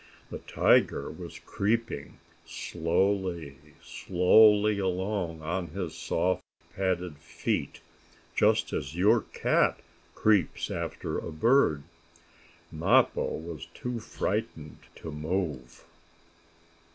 The tiger was creeping, slowly, slowly along, on his soft, padded feet, just as your cat creeps after a bird. Mappo was too frightened to move.